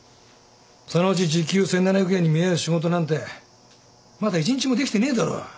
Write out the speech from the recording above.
そのうち時給１，７００円に見合う仕事なんてまだ１日もできてねえだろ。